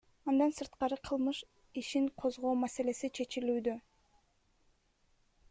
Андан сырткары кылмыш ишин козгоо маселеси чечилүүдө.